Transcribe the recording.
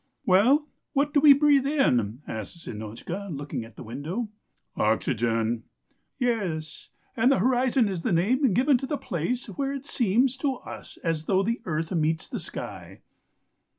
"'Well, what do we breathe in?' asked Zinotchka, looking at the window. "'Oxygen. ..' "'Yes. And the horizon is the name given to the place where it seems to us as though the earth meets the sky.'